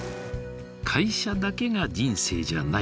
会社だけが人生じゃない。